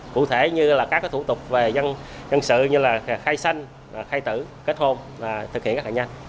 cụ thể như là các thủ tục về dân sự như là khai xanh khai tử kết hôn và thực hiện rất là nhanh